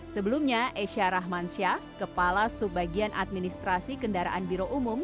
sebelumnya esya rahmansyah kepala subbagian administrasi kendaraan biro umum